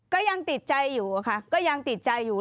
ก็ยังติดใจอยู่ค่ะก็ยังติดใจอยู่